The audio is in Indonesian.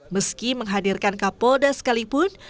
meski menghadirkan kapolda sekalipun